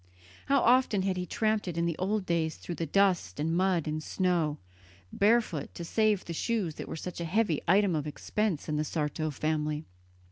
How often had he tramped it in the old days through dust and mud and snow, barefoot to save the shoes that were such a heavy item of expense in the Sarto family.